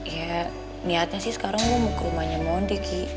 iya niatnya sih sekarang gue mau ke rumahnya mondi ki